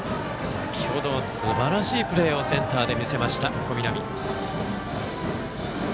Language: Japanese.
先程はすばらしいプレーをセンターで見せました。